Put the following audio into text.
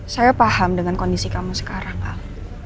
saya paham dengan kondisi kamu sekarang pak